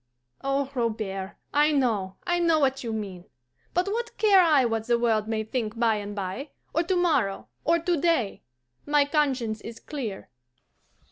Oh, Robert, I know, I know what you mean. But what care I what the world may think by and bye, or to morrow, or to day? My conscience is clear."